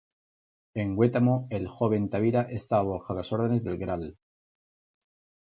En Huetamo el joven Tavira estaba bajo las órdenes del Gral.